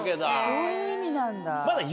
そういう意味なんだ。